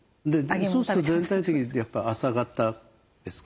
そうすると全体的にやっぱ朝型ですか？